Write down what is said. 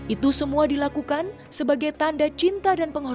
itu semua dilakukan sebagai tanda cinta dan penghormatan kepada nabi muhammad